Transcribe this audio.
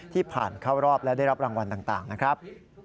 ผ่านเข้ารอบและได้รับรางวัลต่างนะครับ